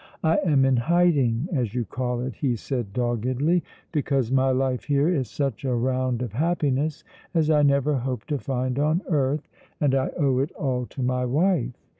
"I am in hiding, as you call it," he said doggedly, "because my life here is such a round of happiness as I never hoped to find on earth, and I owe it all to my wife.